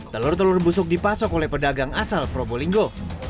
telur telur busuk dipasok oleh pedagang asal probolinggo